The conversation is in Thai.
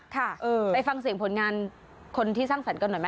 ค่ะไปฟังเสียงผลงานคนที่สร้างสรรค์กันหน่อยไหม